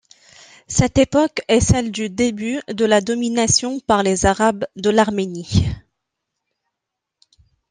Cette époque est celle du début de la domination par les Arabes de l'Arménie.